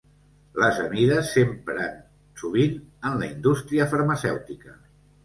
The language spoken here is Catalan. Les amides s'empren sovint en la indústria farmacèutica.